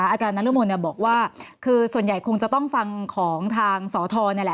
อาจารย์นัทรุมวลบอกว่าคือส่วนใหญ่คงจะต้องฟังของทางสอทร